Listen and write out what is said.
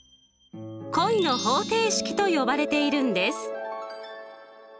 恋の方程式と呼ばれているんです。